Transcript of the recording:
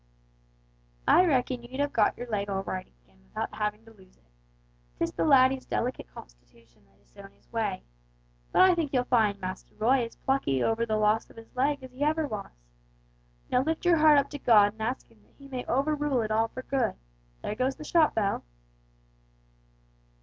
"I reckon you'd have got your leg all right again without having to lose it. 'Tis the laddie's delicate constitution that is so in his way. But I think you'll find Master Roy as plucky over the loss of his leg as he ever was. Now lift your heart up to God and ask Him that he may overrule it all for good. There goes the shop bell!"